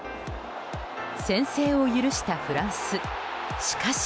先制を許したフランスしかし。